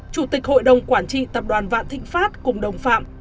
chủ tịch hội đồng quản trị tập đoàn vạn thịnh pháp cùng đồng phạm